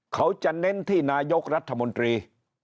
เขาจะเน้นที่นายกรัฐมนตรี